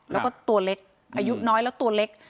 แล้วก็ตัวเล็กอายุน้อยแล้วตัวเล็ก